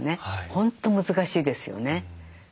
本当難しいですよね。